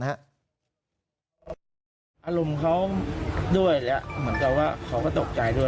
อารมณ์เขาด้วยแล้วเหมือนกับว่าเขาก็ตกใจด้วย